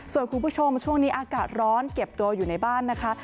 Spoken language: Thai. ส่วนคุณผู้ชมช่วงนี้อากาศร้อนเก็บตัวอยู่ในบ้านนะคะ